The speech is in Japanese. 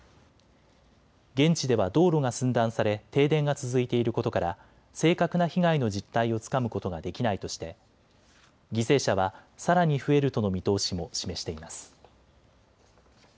現地では道路が寸断され停電が続いていることから正確な被害の実態をつかむことができないとして犠牲者はさらに増えるとの見通しも示しています。